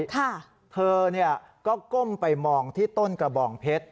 เธอก็ก้มไปมองที่ต้นกระบองเพชร